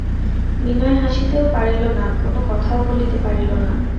বিনয় হাসিতেও পারিল না, কোনো কথাও বলিতে পারিল না।